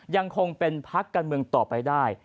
ยังคงเป็นพักการเมืองต่อไปได้